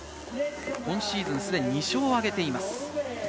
今シーズン、すでに２勝を挙げています。